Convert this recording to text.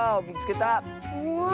うわ。